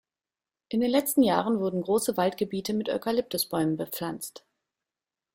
In den letzten Jahren wurden große Waldgebiete mit Eukalyptusbäumen bepflanzt.